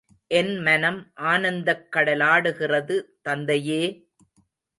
என் மனம் ஆனந்தக் கடலாடுகிறது, தந்தையே!..